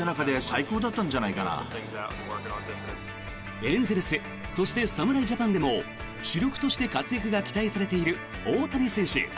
エンゼルスそして侍ジャパンでも主力として活躍が期待されている大谷選手。